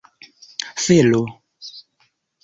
felo